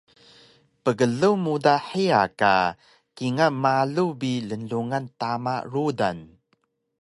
Pklug muda hiya ka kingal malu bi lnglungan tama rudan